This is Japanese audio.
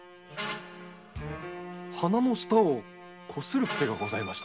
鼻の下をこする癖がございました。